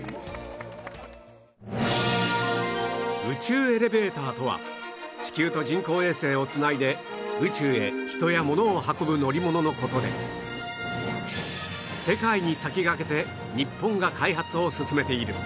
宇宙エレベーターとは地球と人工衛星をつないで宇宙へ人や物を運ぶ乗り物の事で世界に先駆けて日本が開発を進めている